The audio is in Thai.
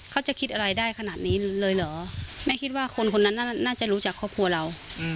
เขาจะคิดอะไรได้ขนาดนี้เลยเหรอแม่คิดว่าคนคนนั้นน่าจะรู้จักครอบครัวเรา